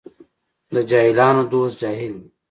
د جاهلانو دوست جاهل وي.